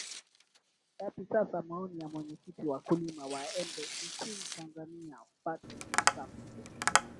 yapi sasa maoni ya mwenyekiti wa kulima wa embe nchini tanzania button sambe